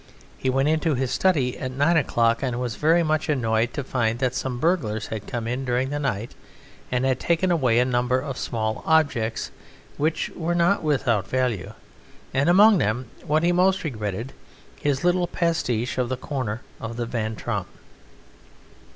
He went into his study at nine o'clock, and was very much annoyed to find that some burglars had come in during the night and had taken away a number of small objects which were not without value; and among them, what he most regretted, his little pastiche of the corner of the Van Tromp.